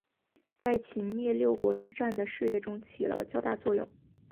在秦灭六国之战的事业中起了较大作用。